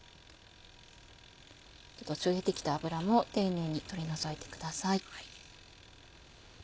途中出て来た脂も丁寧に取り除いてください。